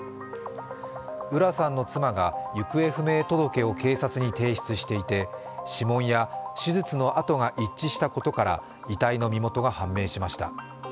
浦さんの妻が行方不明届を警察に提出していて、指紋や手術の痕が一致したことから遺体の身元が判明しました。